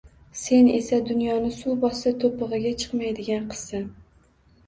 Sen esa dunyoni suv bossa, to`pig`iga chiqmaydigan qizsan